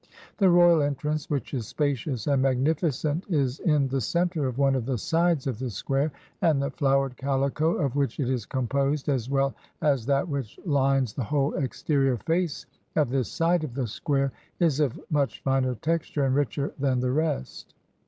The 129 INDL\ royal entrance, which is spacious and magnificent, is in the center of one of the sides of the square, and the flowered calico of which it is composed, as well as that which lines the whole exterior face of this side of the square, is of much finer texture and richer than the rest.